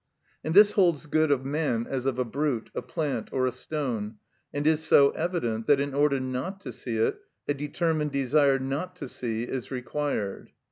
And this holds good of man as of a brute, a plant, or a stone, and is so evident, that in order not to see it a determined desire not to see is required.